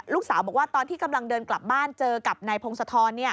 ลูกสาวบอกว่าตอนที่กำลังเดินกลับบ้านเจอกับนายพงศธร